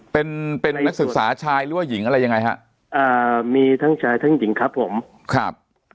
เป็นเป็นนักศึกษาชายหรือว่าหญิงอะไรยังไงฮะอ่ามีทั้งชายทั้งหญิงครับผมครับ